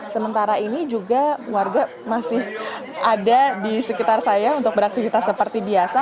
sementara ini juga warga masih ada di sekitar saya untuk beraktivitas seperti biasa